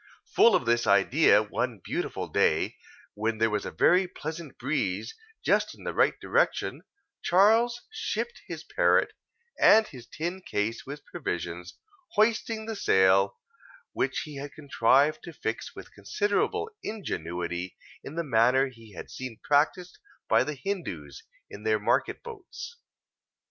Full of this idea, one beautiful day, when there was a very pleasant breeze just in the right direction, Charles shipped his parrot, and his tin case with provisions, hoisting the sail, which he had contrived to fix with considerable ingenuity, in the manner he had seen practised by the Hindoos, in their market boats.